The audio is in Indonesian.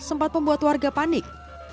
tempat pembuat warga panik